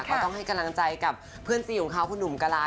ต้องให้กำลังใจกับเพื่อนซีของเขาคุณหนุ่มกะลา